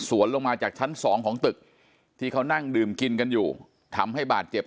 ลงมาจากชั้นสองของตึกที่เขานั่งดื่มกินกันอยู่ทำให้บาดเจ็บ